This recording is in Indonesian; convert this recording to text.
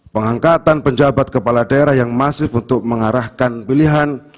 pengangkatan penjabat kepala daerah yang masif untuk mengarahkan pilihan